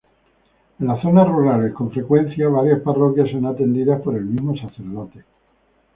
En las zonas rurales con frecuencia varias parroquias son atendidas por el mismo sacerdote.